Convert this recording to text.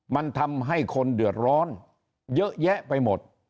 มันทำให้คนเดือดร้อนเยอะแยะไปหมด